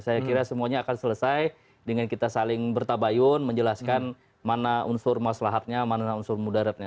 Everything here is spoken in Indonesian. saya kira semuanya akan selesai dengan kita saling bertabayun menjelaskan mana unsur maslahatnya mana unsur mudaratnya